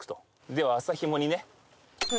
では麻ひもにね。